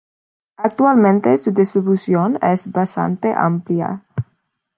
Actualmente su distribución es bastante amplia.